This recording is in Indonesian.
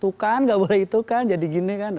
tuh kan gak boleh itu kan jadi gini kan